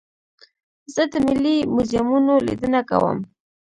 زه د ملي موزیمونو لیدنه کوم.